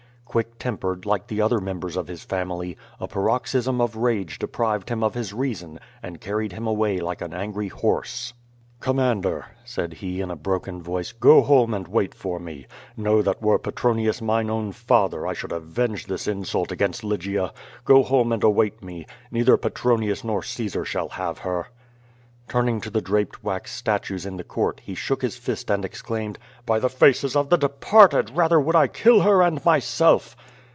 Quick tempered, like the other members of his family, a paroxysm of rage deprived him of his reason and carried him away like an angry horse. "Commander," said he, in a broken voice, "go home and wait for me. Know that were Petronius mine own father, 1 should avenge this insult against Lygia. Go home arid await me. Neither Petronius nor Caesar shall have her." Turning to the draped wax statues in the court, he shook his fist and exclaimed: "By the faces of the departed, rather would I kill her and myself!"